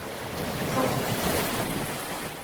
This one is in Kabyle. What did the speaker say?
Ceḍḥet!